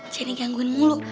ceni gangguin mulu